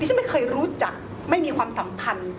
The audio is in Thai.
ที่ฉันไม่เคยรู้จักไม่มีความสำคัญ